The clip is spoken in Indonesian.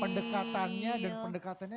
pendekatannya dan pendekatannya